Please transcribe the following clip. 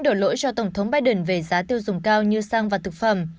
không có lỗi cho tổng thống biden về giá tiêu dùng cao như xăng và thực phẩm